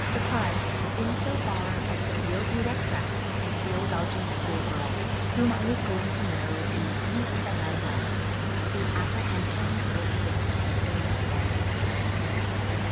Because, in so far as the real Directress and real Belgian schoolgirls whom I was going to know in the Rue d'Isabelle went, these apprehensions would have been superfluous and misleading.